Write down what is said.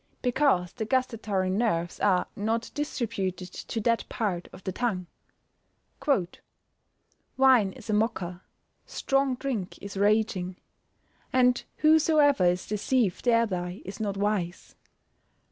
_ Because the gustatory nerves are not distributed to that part of the tongue. [Verse: "Wine is a mocker, strong drink is raging; and whosoever is deceived thereby is not wise."